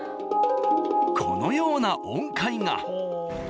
このような音階が。